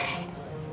disini dia kalau susah